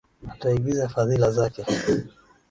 Ataagiza fadhili zake.